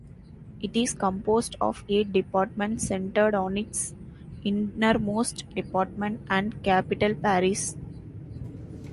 It is composed of eight departments centered on its innermost department and capital, Paris.